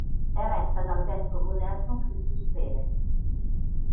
È retta dal vescovo Nelson Jesus Perez.